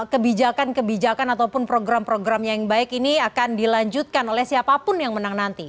kebijakan kebijakan ataupun program programnya yang baik ini akan dilanjutkan oleh siapapun yang menang nanti